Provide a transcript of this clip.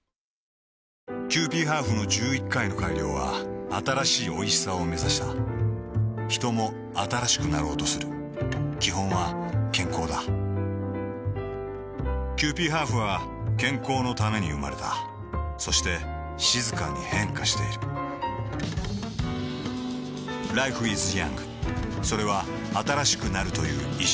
キユーピーハーフの１１回の改良は新しいおいしさをめざしたヒトも新しくなろうとする基本は健康だキユーピーハーフは健康のために生まれたそして静かに変化しているＬｉｆｅｉｓｙｏｕｎｇ．それは新しくなるという意識